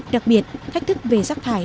đặc biệt thách thức về rác thải